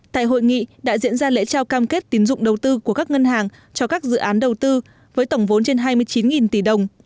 tại hội nghị đã diễn ra lễ trao cam kết tín dụng đầu tư của các ngân hàng cho các dự án đầu tư với tổng vốn trên hai mươi chín tỷ đồng